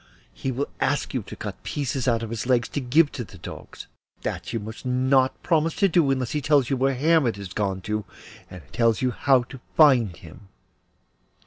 He will ask you to cut pieces out of his legs to give to the dogs, but that you must not promise to do unless he tells you where Hermod has gone to, and tells you how to find him.